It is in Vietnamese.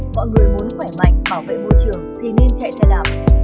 mọi người muốn khỏe mạnh bảo vệ môi trường thì nên chạy xe đạp